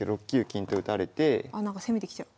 あなんか攻めてきちゃう。